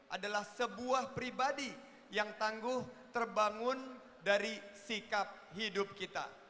adalah sebuah pribadi yang tangguh terbangun dari sikap hidup kita